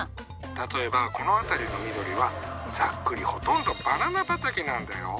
例えばこの辺りの緑はざっくりほとんどバナナ畑なんだよ。